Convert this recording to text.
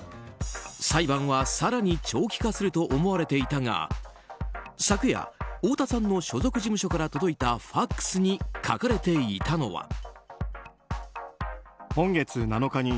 裁判は、更に長期化すると思われていたが昨夜、太田さんの所属事務所から届いたＦＡＸに書かれていたのは。